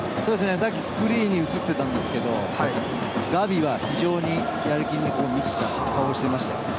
さっきスクリーンに映っていたんですけどガヴィは非常にやる気に満ちた顔をしてました。